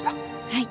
はい。